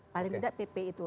paling tidak pp itu